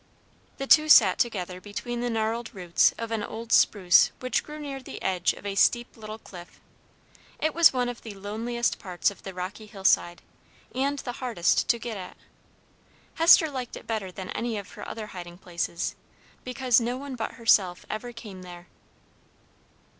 The two sat together between the gnarled roots of an old spruce which grew near the edge of a steep little cliff. It was one of the loneliest parts of the rocky hillside, and the hardest to get at. Hester liked it better than any of her other hiding places, because no one but herself ever came there.